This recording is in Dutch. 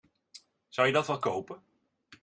Zou je dat wel kopen?